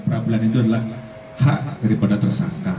peradilan itu adalah hak daripada tersangka